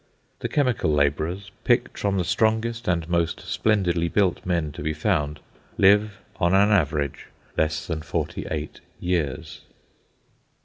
The chemical labourers, picked from the strongest and most splendidly built men to be found, live, on an average, less than forty eight years.